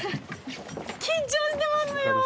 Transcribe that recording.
緊張してますよ。